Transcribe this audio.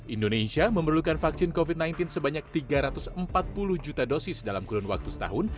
indonesia memerlukan vaksin covid sembilan belas sebanyak tiga ratus empat puluh juta dosis dalam kurun waktu setahun